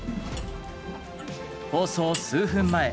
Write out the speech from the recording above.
放送数分前。